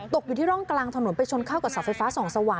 ตกอยู่ที่ร่องกลางถนนไปชนเข้ากับเสาไฟฟ้าส่องสว่าง